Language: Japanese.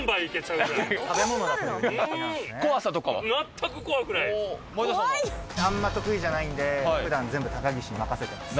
あんま得意じゃないんで、ふだん全部高岸に任せてます。